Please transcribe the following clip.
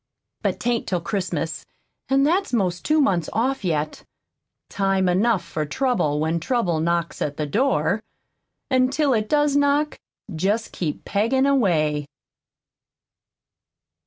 But 'tain't till Christmas, an' that's 'most two months off yet. Time enough for trouble when trouble knocks at the door; an' till it does knock, jest keep peggin' away."